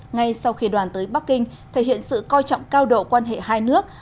ngay sau khi đoàn tới bắc kinh thể hiện sự coi trọng cao độ quan hệ hai nước